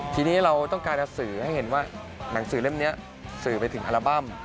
ทีนี้เราต้องการจะสื่อให้เห็นว่าหนังสือเล่มนี้สื่อไปถึงอัลบั้ม